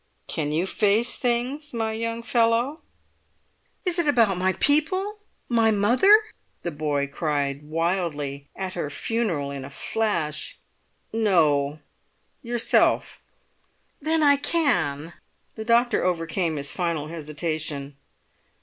"Can you face things, my young fellow?" "Is it about my people—my mother?" the boy cried wildly, at her funeral in a flash. "No—yourself." "Then I can!" The doctor overcame his final hesitation.